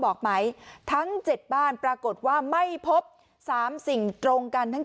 บอกไหมทั้ง๗บ้านปรากฏว่าไม่พบ๓สิ่งตรงกันทั้ง